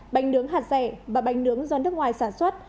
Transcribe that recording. bánh nướng hạt rẻ và bánh nướng do nước ngoài sản xuất